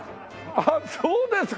あっそうですか。